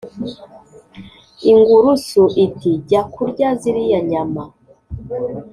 ingurusu iti «jya kurya ziriya nyama.»